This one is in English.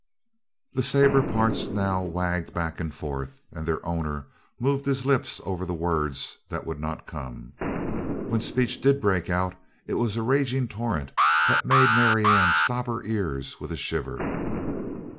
The sabre parts now wagged back and forth, as their owner moved his lips over words that would not come. When speech did break out it was a raging torrent that made Marianne stop her ears with a shiver.